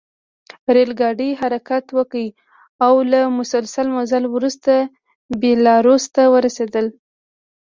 ریل ګاډي حرکت وکړ او له مسلسل مزل وروسته بیلاروس ته ورسېدل